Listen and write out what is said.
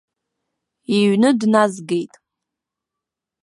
Иҩны дназгеит.